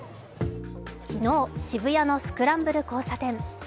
昨日、渋谷のスクランブル交差点。